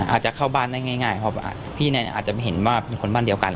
อาจจะเข้าบ้านได้ง่ายเพราะพี่เนี่ยอาจจะเห็นว่าเป็นคนบ้านเดียวกัน